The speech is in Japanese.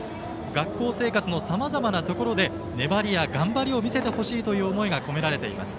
学校生活のさまざまなところで粘りや頑張りを見せてほしいという思いが込められています。